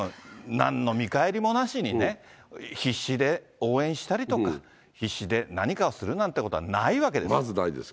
なんの見返りもなしにね、必死で応援したりとか、必死で何かをするなんてことはないわけですよ。